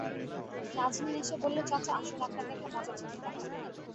নাজনীন এসে বলল, চাচা, আসুন, আপনাকে একটা মজার জিনিস দেখাব।